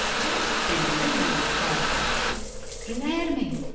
Just then the mother called, "Guilerme!